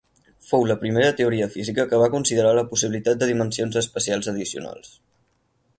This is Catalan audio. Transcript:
Fou la primera teoria física que va considerar la possibilitat de dimensions espacials addicionals.